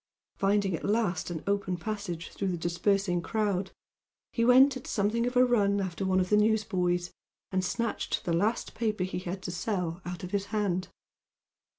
Finding at last an open passage through the dispersing crowd, he went at something of a run after one of the newsboys, and snatched the last paper he had to sell out of his hand.